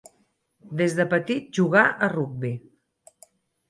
Des de petit jugà a rugbi.